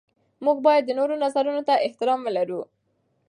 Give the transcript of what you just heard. موږ باید د نورو نظرونو ته احترام ولرو.